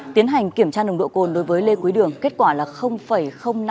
tiến hành kiểm tra nồng độ cồn đối với lê quý đường kết quả là năm mươi ba mg trên một lít khí thở